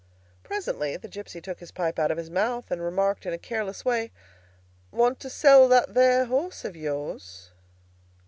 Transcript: Presently the gipsy took his pipe out of his mouth and remarked in a careless way, "Want to sell that there horse of yours?"